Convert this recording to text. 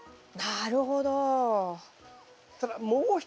なるほど。